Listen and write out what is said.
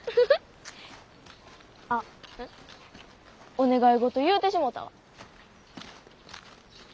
お願い事言うてしもたわ。